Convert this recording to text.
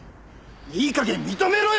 いい加減認めろよ！